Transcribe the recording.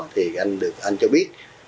thì anh cho biết